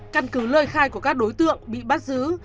căn cứ lời khai của các đối tượng bị bắt giữ